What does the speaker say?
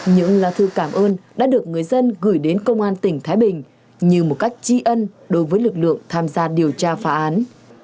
những lá thư cảm ơn đã được người dân gửi đến công an tỉnh thái bình như một cách tri ân đối với lực lượng tham gia điều tra phá án